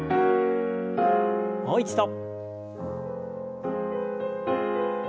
もう一度。